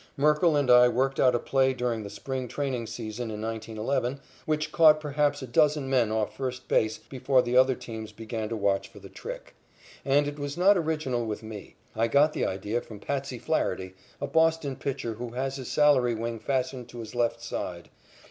Merkle and I worked out a play during the spring training season in 1911 which caught perhaps a dozen men off first base before the other teams began to watch for the trick. And it was not original with me. I got the idea from "Patsy" Flaherty, a Boston pitcher who has his salary wing fastened to his left side.